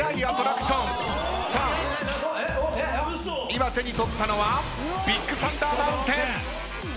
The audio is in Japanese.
今手に取ったのはビッグサンダー・マウンテン。